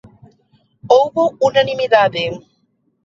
Houbo unanimidade.